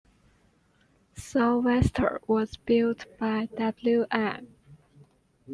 "Salvestor" was built by Wm.